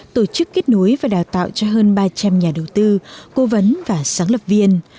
tổ chức kết nối và đào tạo cho hơn ba trăm linh nhà đầu tư cố vấn và sáng lập viên